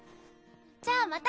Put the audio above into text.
じゃあまた！